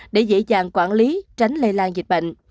để dễ dàng quản lý tránh lây lan dịch bệnh